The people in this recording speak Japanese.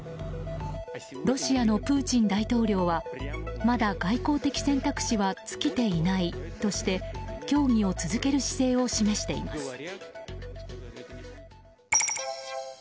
ロシアのプーチン大統領はまだ外交的選択肢は尽きていないとして協議を続ける姿勢を示しています。